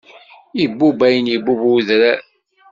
Ibubb ayen ibubb udrar.